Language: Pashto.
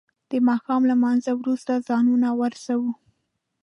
د ما ښام له لما نځه وروسته ځانونه ورسو.